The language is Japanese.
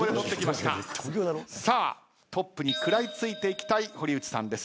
トップに食らいついていきたい堀内さんです。